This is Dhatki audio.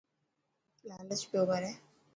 لالچ پيو ڪري.